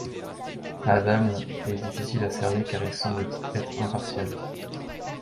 Adamle est difficile à cerner car il semble être impartial.